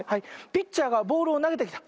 ピッチャーがボールをなげてきた。